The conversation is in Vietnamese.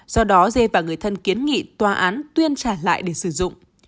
do đó dê và người thân kiến nghị tòa án tuyên trả lại để sử dụng